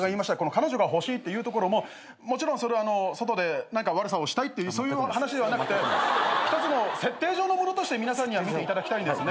「彼女が欲しい」っていうところももちろんそれはあの外で何か悪さをしたいっていうそういう話ではなくて一つの設定上のものとして皆さんには見ていただきたいんですね。